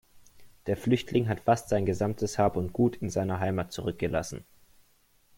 Der Flüchtling hat fast sein gesamtes Hab und Gut in seiner Heimat zurückgelassen.